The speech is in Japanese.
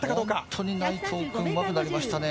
本当に内藤君うまくなりましたね。